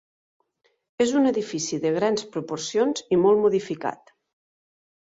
És un edifici de grans proporcions i molt modificat.